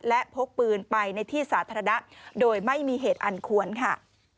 และพกปืนไปในที่สาธารณะโดยไม่มีเหตุอันควรค่ะ